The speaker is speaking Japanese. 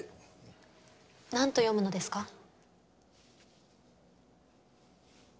「なんと読むのですか？」。